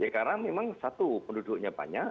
karena memang satu penduduknya banyak